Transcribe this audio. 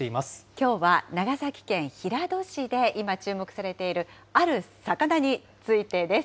きょうは、長崎県平戸市で今、注目されている、ある魚についてです。